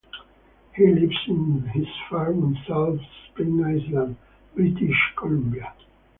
He lives on his farm on Salt Spring Island, British Columbia.